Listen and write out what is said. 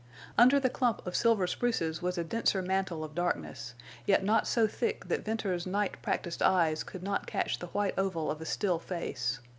Under the clump of silver spruces a denser mantle of darkness, yet not so thick that Venter's night practiced eyes could not catch the white oval of a still face.